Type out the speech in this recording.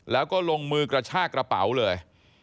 แล้วก็ลงมือกระชากระเป๋าเลย